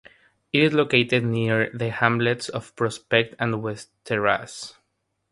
It is located near the hamlets of Prospect and West Terrace.